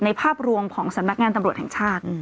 ภาพรวมของสำนักงานตำรวจแห่งชาติ